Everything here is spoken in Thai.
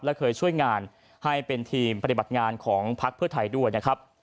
และเคยช่วยงานให้เป็นทีมปฏิบัติงานของพักเพื่อไทยด้วยนะครับ